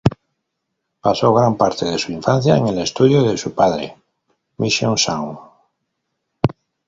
Pasó gran parte de su infancia en el estudio de su padre, Mission Sound.